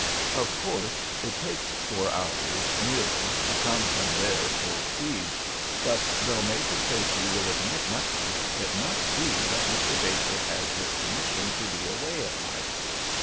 Of course it takes four hours, nearly, to come from there full speed, but though Major Tracy will admit nothing, it must be that Mr. Baker has his permission to be away at night.